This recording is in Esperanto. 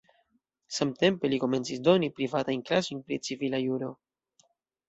Samtempe li komencis doni privatajn klasojn pri civila juro.